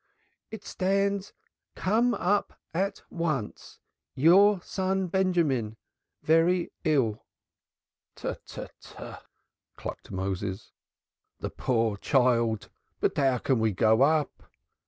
"It stands, 'Come up at once. Your son Benjamin very ill.'" "Tu! Tu! Tu!" clucked Moses. "The poor child. But how can we go up?